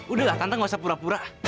udah lah tante nggak usah pura pura